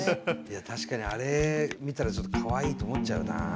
確かにあれ見たらちょっとかわいいと思っちゃうなあ。